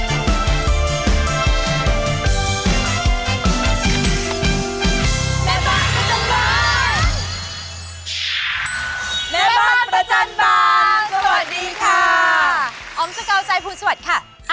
ออมสกาวใจพูดสวัสดีค่ะ